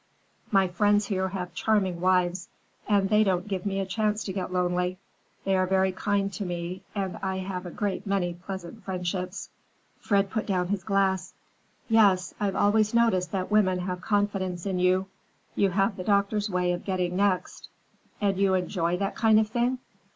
"My friends here have charming wives, and they don't give me a chance to get lonely. They are very kind to me, and I have a great many pleasant friendships." Fred put down his glass. "Yes, I've always noticed that women have confidence in you. You have the doctor's way of getting next. And you enjoy that kind of thing?"